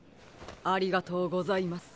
ありがとうございます。